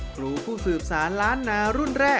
ครูผู้สืบสารล้านนารุ่นแรก